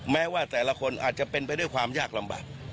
แม้ว่าแต่ละคนอาจจะเป็นไปด้วยความยากลำบาก